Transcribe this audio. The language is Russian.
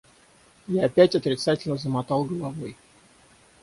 Я опять отрицательно замотал головой.